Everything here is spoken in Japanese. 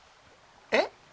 えっ？